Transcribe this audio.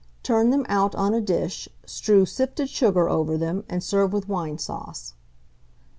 Turn them out on a dish, strew sifted sugar over them, and serve with wine sauce.